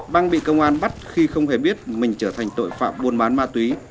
băng bị công an bắt khi không hề biết mình trở thành tội phạm buôn bán ma túy